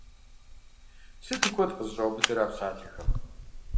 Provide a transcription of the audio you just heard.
Сыту куэд къызэщӀаубыдэрэ а псалъэхэм!